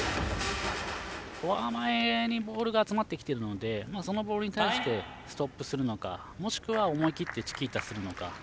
フォア前にボールが集まってきてるのでそのボールに対してストップするのかもしくは思い切ってチキータするのか。